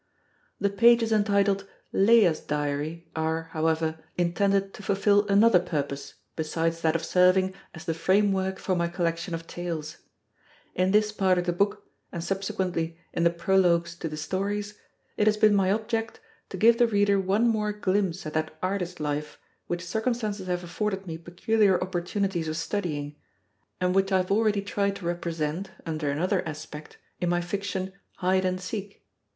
The pages entitled "Leah's Diary" are, however, intended to fulfill another purpose besides that of serving as the frame work for my collection of tales. In this part of the book, and subsequently in the Prologues to the stories, it has been my object to give the reader one more glimpse at that artist life which circumstances have afforded me peculiar opportunities of studying, and which I have already tried to represent, under another aspect, in my fiction, "Hide and Seek."